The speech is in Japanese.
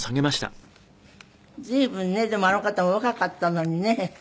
随分ねでもあの方お若かったのにね。